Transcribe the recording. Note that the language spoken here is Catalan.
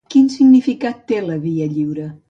Quin significat té la Via Lliure?